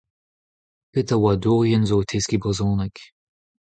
Pet a oadourien zo o teskiñ brezhoneg ?